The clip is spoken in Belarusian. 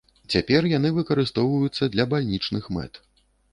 Цяпер яны выкарыстоўваюцца для бальнічных мэт.